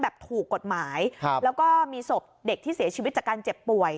ถูกกฎหมายครับแล้วก็มีศพเด็กที่เสียชีวิตจากการเจ็บป่วย